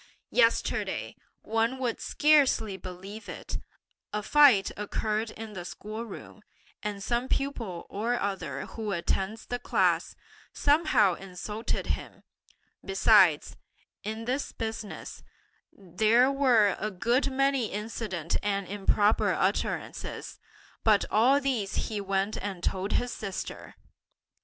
Yesterday, one would scarcely believe it, a fight occurred in the school room, and some pupil or other who attends that class, somehow insulted him; besides, in this business, there were a good many indecent and improper utterances, but all these he went and told his sister!